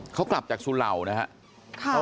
เขากลับจากสุเหล่านะครับ